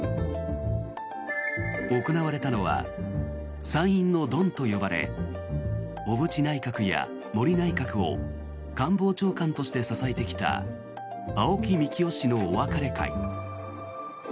行われたのは参院のドンと呼ばれ小渕内閣や森内閣を官房長官として支えてきた青木幹雄氏のお別れ会。